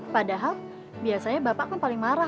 padahal biasanya bapak kan paling marah